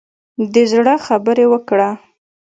د زړه خبرې وکړه.